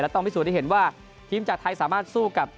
ต้องพิสูจนให้เห็นว่าทีมจากไทยสามารถสู้กับ